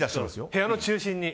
部屋の中心で。